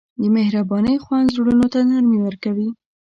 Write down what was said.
د مهربانۍ خوند زړونو ته نرمي ورکوي.